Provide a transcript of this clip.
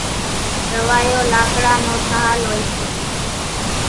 راوايو لاڪڙا نو ٺاۿل هوئيَ سي۔